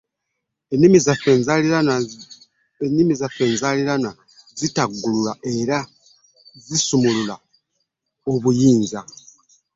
Ennimi zaffe enzaaliranwa zitaggulula era zisumulula obuyiiya.